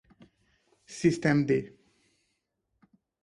systemd